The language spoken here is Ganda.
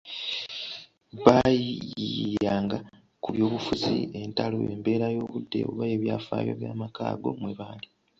Baayiiiyanga ku by’obubufuzi, entalo, embeera y’obudde oba ebyafaayo by'amaka ago mwe bali.